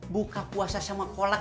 buka puasa sama kolek